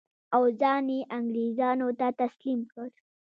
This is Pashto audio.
او ځان یې انګرېزانو ته تسلیم کړ.